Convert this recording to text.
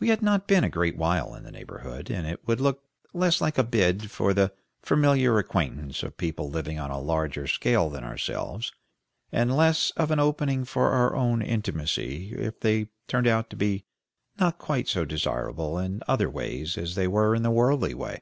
We had not been a great while in the neighborhood, and it would look less like a bid for the familiar acquaintance of people living on a larger scale than ourselves, and less of an opening for our own intimacy if they turned out to be not quite so desirable in other ways as they were in the worldly way.